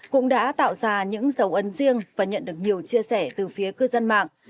cũng đã tạo ra những dấu ân riêng và nhận được nhiều chia sẻ từ phía cư dân mạng